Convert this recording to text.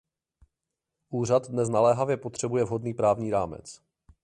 Úřad dnes naléhavě potřebuje vhodný právní rámec.